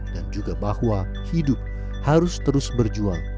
dan juga bahwa hidup harus terus berjuang